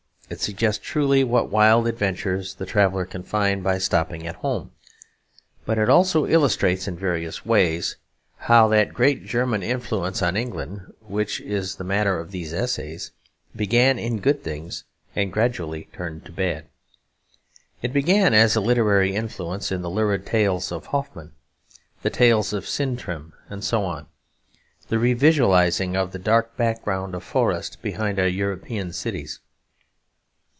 It suggests truly what wild adventures the traveller can find by stopping at home. But it also illustrates in various ways how that great German influence on England, which is the matter of these essays, began in good things and gradually turned to bad. It began as a literary influence, in the lurid tales of Hoffmann, the tale of "Sintram," and so on; the revisualising of the dark background of forest behind our European cities.